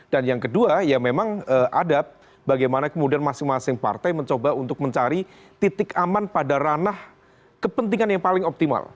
dan yang kedua ya memang adat bagaimana kemudian masing masing partai mencoba untuk mencari titik aman pada ranah kepentingan yang paling optimal